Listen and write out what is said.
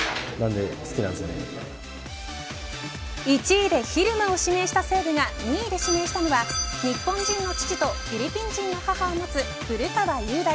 １位で蛭間を指名した西武が２位で指名したのは日本人の父とフィリピン人の母を持つ古川雄大。